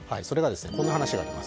こんな話があります。